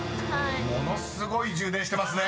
ものすごい充電してますね］